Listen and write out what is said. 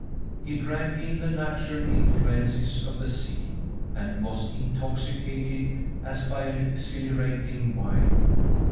He drank in the natural influences of the scene, and was intoxicated as by an exhilarating wine.